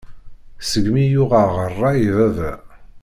Seg-mi i yuɣeɣ ṛṛay i baba.